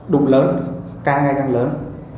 đúng lớn càng ngay càng lớn